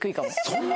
そんな！？